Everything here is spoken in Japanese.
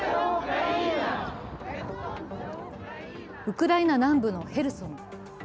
ウクライナ南部のヘルソン。